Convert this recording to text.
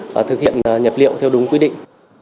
và thực hiện nhập liệu theo đúng quy định